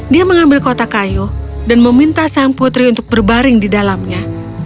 dia mengambil kotak kayu dan meminta sang putri untuk berbaring di dalamnya